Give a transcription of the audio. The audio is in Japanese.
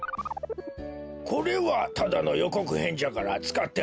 これはただのよこくへんじゃからつかってもいいじゃろ。